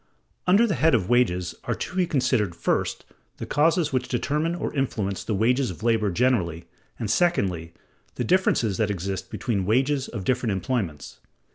Under the head of Wages are to be considered, first, the causes which determine or influence the wages of labor generally, and secondly, the differences that exist between the wages of different employments.